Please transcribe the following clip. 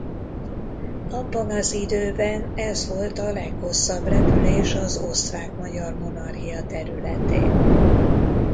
Abban az időben ez volt a leghosszabb repülés az Osztrák–Magyar Monarchia területén.